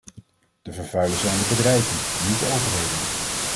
De vervuilers zijn de bedrijven, niet de overheden.